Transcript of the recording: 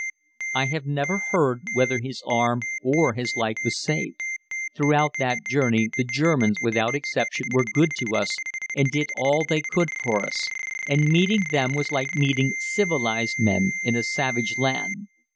I have never heard whether his arm or his life was saved. Throughout that journey the Germans without exception were good to us and did all they could for us, and meeting them was like meeting civilized men in a savage land.